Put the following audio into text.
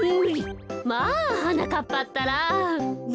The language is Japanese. まあはなかっぱったら。